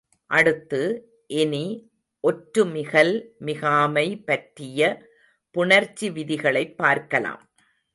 அடுத்து, இனி, ஒற்று மிகல் மிகாமை பற்றிய புணர்ச்சி விதிகளைப் பார்க்கலாம்.